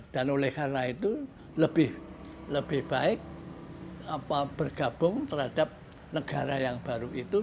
dan oleh karena itu lebih baik bergabung terhadap negara yang baru itu